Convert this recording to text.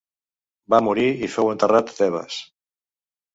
Va morir i fou enterrat a Tebes.